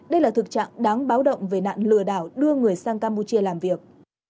đây là thực trạng đáng báo động về nạn lừa đảo đưa người sang campuchia làm việc